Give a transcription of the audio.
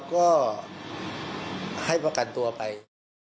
ก็ให้ประกันตัวไป